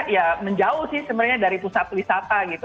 ya menjauh sih sebenarnya dari pusat wisata gitu